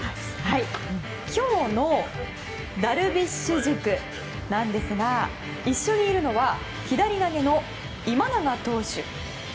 今日のダルビッシュ塾なんですが一緒にいるのは左投げの今永投手。